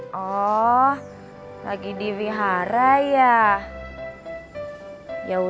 ntar siang beliin nasi padang ya bang